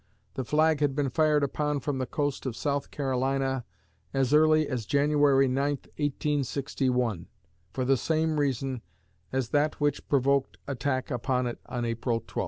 The flag had been fired upon from the coast of South Carolina as early as January 9, 1861, for the same reason as that which provoked attack upon it on April 12.